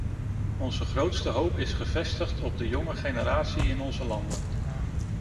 Onze grootste hoop is gevestigd op de jonge generatie in onze landen.